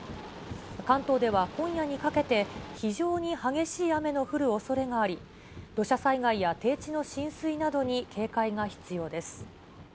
関東では、今夜にかけて、非常に激しい雨の降るおそれがあり、土砂災害や低地の浸水などに警戒が必要です。